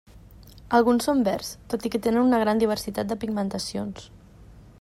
Alguns són verds, tot i que tenen una gran diversitat de pigmentacions.